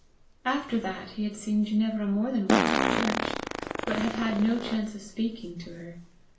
After that, he had seen Ginevra more than once at church, but had had no chance of speaking to her.